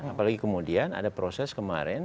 apalagi kemudian ada proses kemarin